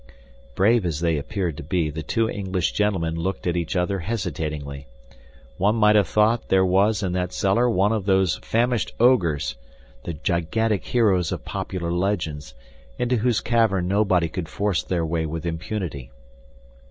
Brave as they appeared to be, the two English gentlemen looked at each other hesitatingly. One might have thought there was in that cellar one of those famished ogres—the gigantic heroes of popular legends, into whose cavern nobody could force their way with impunity.